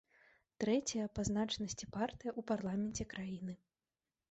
Трэцяя па значнасці партыя ў парламенце краіны.